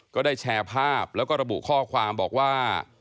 ก็ได้แชร์ภาพแล้วก็ระบุข้อความบอกว่า